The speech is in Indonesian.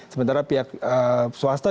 sementara pihak swasta